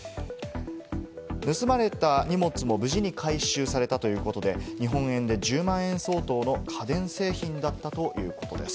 盗まれた荷物も無事に回収されたということで、日本円で１０万円相当の家電製品だったということです。